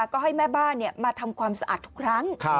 ก็ให้แม่บ้านมาทำความสะอาดทุกครั้ง